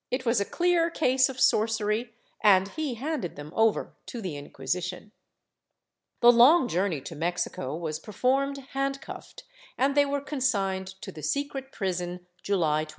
202 SOBGEBT AND OCCULT ABTS [Book VIII a clear case of sorcery and he handed them over to the Inquisition. The long journey to Mexico was performed handcuffed and they were consigned to the secret prison, July 22.